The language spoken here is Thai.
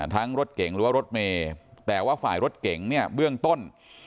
รถเก่งหรือว่ารถเมย์แต่ว่าฝ่ายรถเก๋งเนี่ยเบื้องต้น